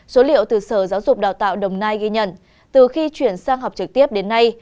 số liệu từ sở giáo dục đào tạo đồng nai ghi nhận từ khi chuyển sang học trực tiếp đến nay